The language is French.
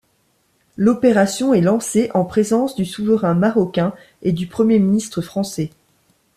L’opération est lancée en présence du souverain marocain et du Premier ministre français.